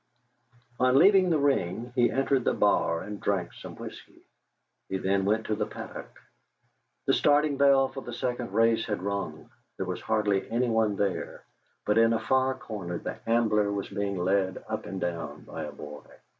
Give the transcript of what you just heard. On leaving the ring, he entered the bar and drank some whisky. He then went to the paddock. The starting bell for the second race had rung; there was hardly anyone there, but in a far corner the Ambler was being led up and down by a boy.